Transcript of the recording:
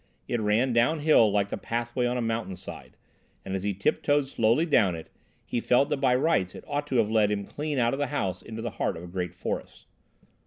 It ran downhill like the pathway on a mountain side, and as he tiptoed softly down it he felt that by rights it ought to have led him clean out of the house into the heart of a great forest.